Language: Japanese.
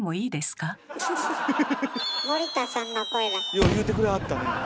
よう言うてくれはったね。